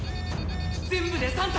全部で３体！